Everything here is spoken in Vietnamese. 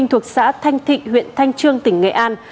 thành thịnh huyện thanh trương tỉnh nghệ an